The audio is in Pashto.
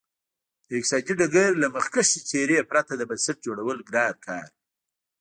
د اقتصادي ډګر له مخکښې څېرې پرته د بنسټ جوړول ګران کار و.